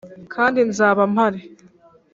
kandi nzaba mpari,